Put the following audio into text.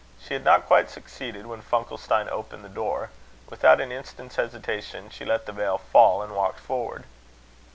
She had not quite succeeded, when Funkelstein opened the door. Without an instant's hesitation, she let the veil fall, and walked forward.